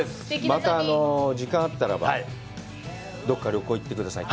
また時間があったらば、どこか旅行に行ってください。